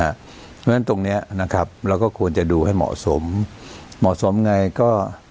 เพราะฉะนั้นตรงนี้นะครับเราก็ควรจะดูให้เหมาะสมเหมาะสมไงก็